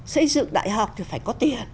xây dựng đại học thì phải có tiền